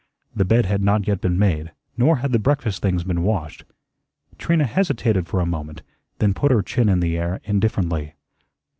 The bed had not yet been made, nor had the breakfast things been washed. Trina hesitated for a moment, then put her chin in the air indifferently.